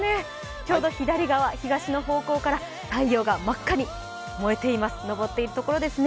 ちょうど左側、東の方向から太陽が真っ赤に燃えています昇っているところですね。